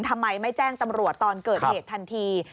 ทำไมไม่แจ้งตำรวจตอนเกิดเหตุทันที